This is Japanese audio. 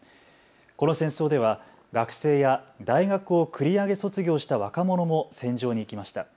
この戦争では学生や大学を繰り上げ卒業した若者も戦場に行きました。